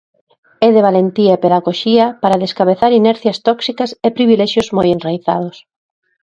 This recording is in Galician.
E de valentía e pedagoxía para descabezar inercias tóxicas e privilexios moi enraizados.